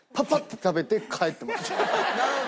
なるほど。